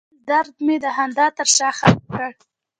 خپل درد مې د خندا تر شا ښخ کړ.